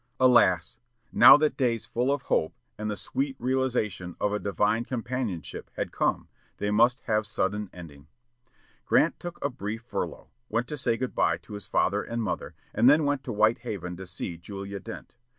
Alas! now that days full of hope, and the sweet realization of a divine companionship had come, they must have sudden ending. Grant took a brief furlough, went to say good bye to his father and mother, and then to White Haven to see Julia Dent.